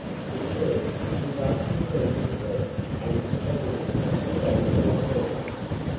'He says you'd like to see him, sir,' answered the woman, standing at the door.